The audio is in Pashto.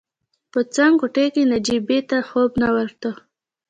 په څنګ کوټې کې نجيبې ته خوب نه ورته.